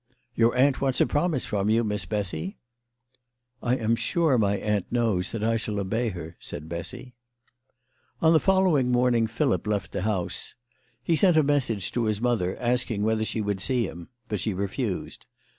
" Your aunt wants a promise from you, Miss Bessy ?"" I am sure my aunt knows that I shall obey her," said Bessy. On the following morning Philip left the house. He sent a message to his mother, asking whether she would see him ; but she refused.